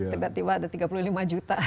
tiba tiba ada tiga puluh lima juta